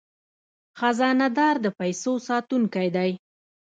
خزانه دار د پیسو ساتونکی دی